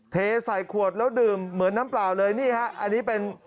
เทใส่ขวดแล้วดื่มเหมือนน้ำเปล่าเลยนี่ฮะอันนี้เป็น